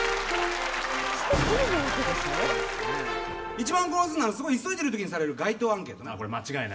一番興奮すんのはすごい急いでるときにされる街頭アンケートな。